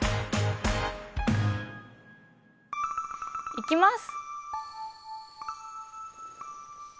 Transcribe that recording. いきます！